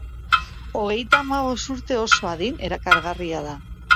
Hogeita hamabost urte oso adin erakargarria da.